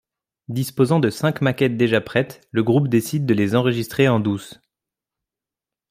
Disposant de cinq maquettes déjà prêtes, le groupe décide de les enregistrer en douce.